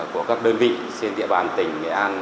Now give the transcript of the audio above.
của các đơn vị trên địa bàn tỉnh nghệ an